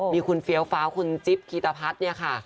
มีคุณเฟี้ยวฟ้าวคุณจิ๊บกีตพัฒน์เนี่ยค่ะ